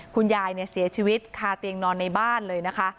คุณยายเสียชีวิตคาเตียงนอนในบ้านเลยนะคะ